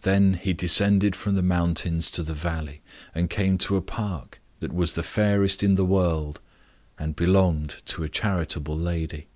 Then he descended from the mountains to the valley, and came to a park, that was the fairest in the world, and belonged to a charitable lady.